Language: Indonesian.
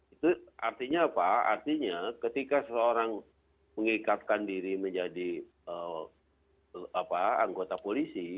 itu artinya apa artinya ketika seseorang mengikatkan diri menjadi anggota polisi